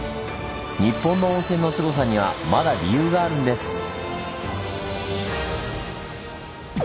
日本の温泉のスゴさにはまだ理由があるんです。